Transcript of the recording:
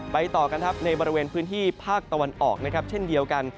ต่อกันครับในบริเวณพื้นที่ภาคตะวันออกนะครับเช่นเดียวกัน